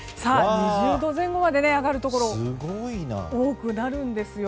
２０度前後まで上がるところ多くなるんですよ。